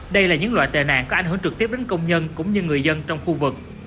đây là những loại tệ nạn có ảnh hưởng trực tiếp đến công nhân cũng như người dân trong khu vực